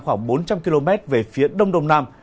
khoảng bốn trăm linh km về phía đông đông nam